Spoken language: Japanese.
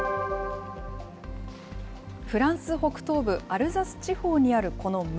フランス北東部アルザス地方にあるこの村。